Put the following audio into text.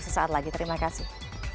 sesaat lagi terima kasih